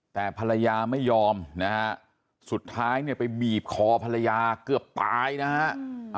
แต่ภรรยาไม่ยอมนะฮะสุดท้ายเนี่ยไปบีบคอภรรยาเกือบตายนะฮะ